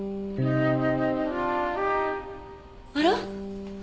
あら？